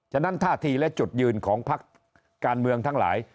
ฉะนั้นท่าทีและจุดยืนของพักการเมืองทั้งหลาย